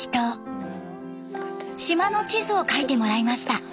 島の地図を描いてもらいました。